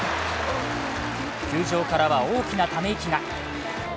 球場からは大きなため息が。